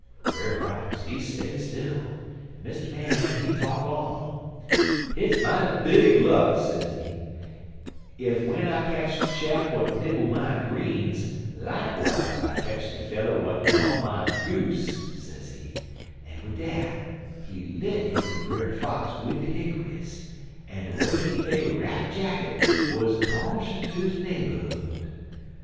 "Brer Fox, he stay still, en Mr. Man, he talk on: "'Hit's mighty big luck,' sezee, 'ef w'en I ketch de chap w'at nibble my greens, likewise I ketch de feller w'at gnyaw my goose,' sezee, en wid dat he let inter Brer Fox wid de hick'ries, en de way he play rap jacket wuz a caution ter de naberhood.